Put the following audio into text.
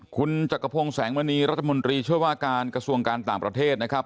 คุณจักรพงศ์แสงมณีรัฐมนตรีช่วยว่าการกระทรวงการต่างประเทศนะครับ